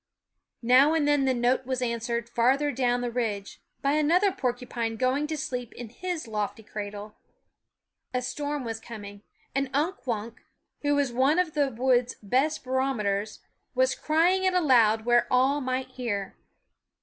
Now and then the note was answered, farther down the ridge, by another porcupine going to sleep in his lofty cradle. A storm was com ing ; and Unk Wunk, who is one of the wood's best barometers, was crying it aloud where all might hear.